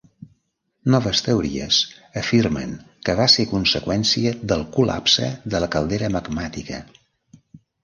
Noves teories afirmen que va ser conseqüència del col·lapse de la caldera magmàtica.